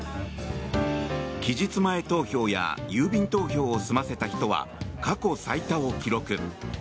期日前投票や郵便投票を済ませた人は過去最多を記録。